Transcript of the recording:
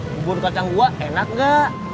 bubur kacang gua enak gak